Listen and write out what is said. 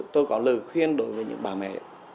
tôi có lời khuyên đối với những bà mẹ